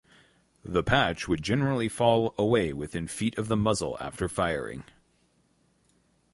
The patch would generally fall away within feet of the muzzle after firing.